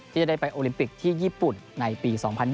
ที่จะได้ไปโอลิมปิกที่ญี่ปุ่นในปี๒๐๒๐